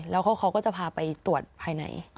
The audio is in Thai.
แล้วเขาก็จะพาไปตรวจภายใน